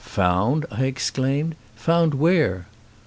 "Found!" I exclaimed. "Found where?"